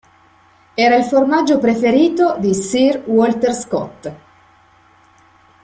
Era il formaggio preferito di Sir Walter Scott.